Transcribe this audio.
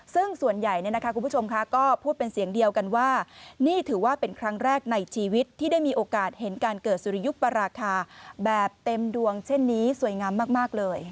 ซึ่งส่วนใหญ่คุณผู้ชมค่ะก็พูดเป็นเสียงเดียวกันว่านี่ถือว่าเป็นครั้งแรกในชีวิตที่ได้มีโอกาสเห็นการเกิดสุริยุปราคาแบบเต็มดวงเช่นนี้สวยงามมากเลย